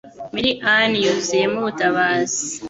Mary Ann yuzuyemo ubutabazi